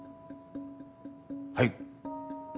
はい。